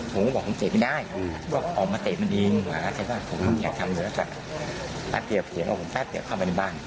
แกะทำเตี๋ยวว่าจะแป๊บเตี๊ยบเขียนกับผมแป๊บเตี๋ยวเข้าไปในบ้าน